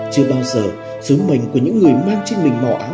chưa bao giờ sứ mệnh của những người mang trên mình màu áo